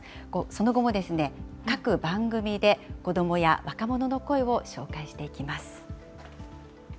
その後も各番組で、子どもや若者の声を紹介していきます。